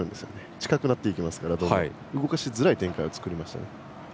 近くなっていきますから動かしづらい展開を作りましたね。